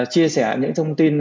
chia sẻ những thông tin